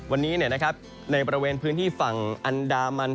วันนี้นะครับในประเวนพื้นที่ฝั่งอันดามัน